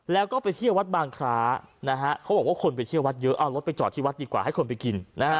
แล้วก็ไปเที่ยววัดบางคร้านะฮะเขาบอกว่าคนไปเที่ยววัดเยอะเอารถไปจอดที่วัดดีกว่าให้คนไปกินนะฮะ